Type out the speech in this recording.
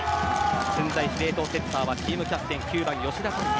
駿台司令塔・セッターチームキャプテン９番・吉田竜也。